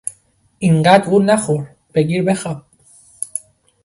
این قدر وول نخور، بگیر بخواب!